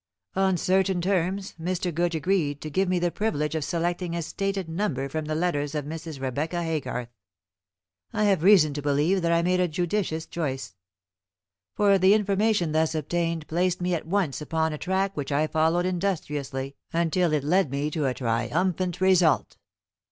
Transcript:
On certain terms Mr. Goodge agreed to give me the privilege of selecting a stated number from the letters of Mrs. Rebecca Haygarth. I have reason to believe that I made a judicious choice; for the information thus obtained placed me at once upon a track which I followed industriously until it led me to a triumphant result."